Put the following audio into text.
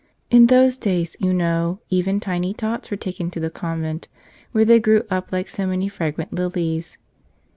In those days, you know, even tiny tots were taken to the convent, where they grew up like so many fragrant lilies.